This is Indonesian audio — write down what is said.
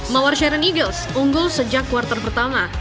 mawar sharon eagles unggul sejak kuartal pertama